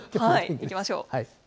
いきましょう。